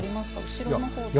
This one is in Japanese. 後ろの方では。